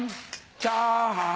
チャーハン